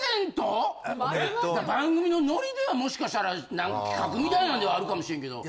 番組のノリではもしかしたら何か企画みたいなんではあるかもしれんけど。